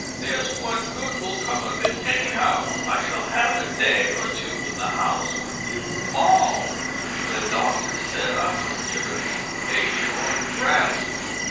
There's one good will come of it anyhow, I shall have a day or two in the house with you all; for the doctor said I must give it a short rest.